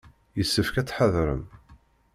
Yessefk ad tḥadrem.